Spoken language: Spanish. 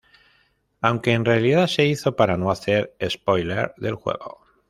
Aunque en realidad se hizo para no hacer spoilers del juego.